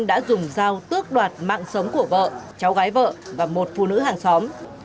đã dùng dao tước đoạt mạng sống của vợ cháu gái vợ và một phụ nữ hàng xóm